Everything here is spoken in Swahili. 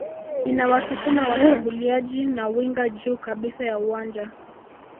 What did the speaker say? inawasukuma washambuliaji na winga juu kabisa ya uwanja